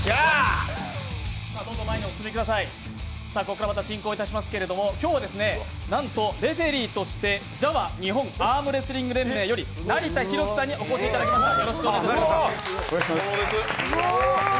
ここからまた進行しますけど今日はなんとレフェリーとしてＪＡＷＡ日本アームレスリング連盟より、成田博樹さんにお越しいただきました。